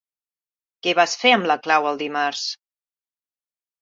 Què vas fer amb la clau el dimarts?